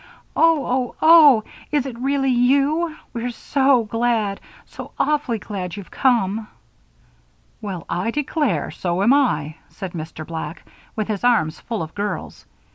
"Oh! oh! oh! Is it really you? We're so glad so awfully glad you've come!" "Well, I declare! So am I," said Mr. Black, with his arms full of girls.